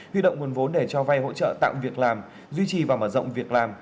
huy động nguồn vốn để cho vay hỗ trợ tạo việc làm duy trì và mở rộng việc làm